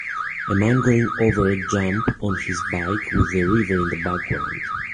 A man going over a jump on his bike with a river in the background